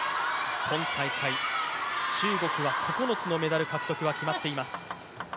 今大会中国は９つのメダル獲得が決まっています。